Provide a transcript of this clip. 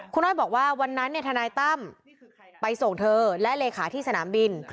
คุณอ้อยบอกว่าวันนั้นทนายตั้มไปส่งเธอและเลขาที่สนามบิน